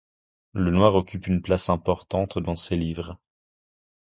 Le noir occupe une place importante dans ses livres.